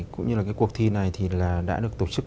cũng như là cái cuộc thi này thì là đã được tổ chức